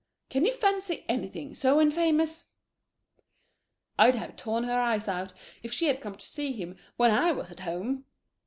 Can you fancy anything so infamous? I'd have torn her eyes out if she had come to see him when I was at home. [Pause.